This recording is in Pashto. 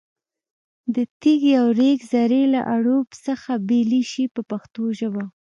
د تېږې او ریګ ذرې له اړوب څخه بېلې شي په پښتو ژبه.